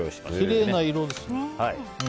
きれいな色です。